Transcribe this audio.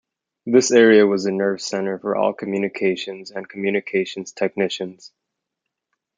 This area was the nerve center for all communications and communications technicians.